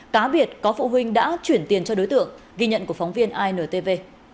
cá biệt có phụ huynh đã chuyển tiền cho đối tượng ghi nhận của phóng viên intv